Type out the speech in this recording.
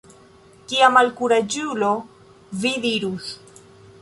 Kia malkuraĝulo, vi dirus.